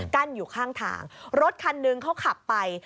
อยู่ข้างทางรถคันหนึ่งเขาขับไป